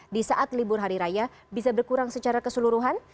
di saat libur hari raya bisa berkurang secara keseluruhan